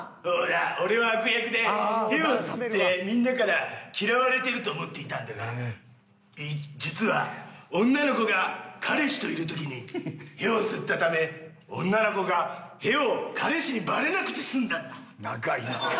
俺は悪役で屁を吸ってみんなから嫌われてると思っていたんだが実は女の子が彼氏といる時に屁を吸ったため女の子が屁を彼氏にバレなくて済んだんだ。